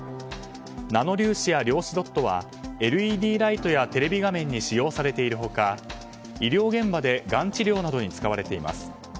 ナノ粒子や量子ドットはＬＥＤライトやテレビ画面に使用されている他医療現場でがん治療などに使われています。